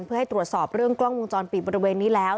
เพื่อให้ตรวจสอบเรื่องกล้องวงจรปิดบริเวณนี้แล้ว